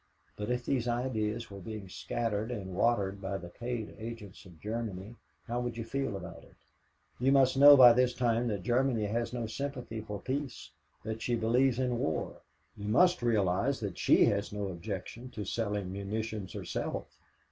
"But if these ideas were being scattered and watered by the paid agents of Germany, how would you feel about it? You must know by this time that Germany has no sympathy for peace; that she believes in war. You must realize that she has no objection to selling munitions herself.